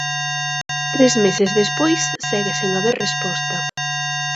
Tres meses despois, segue sen haber resposta.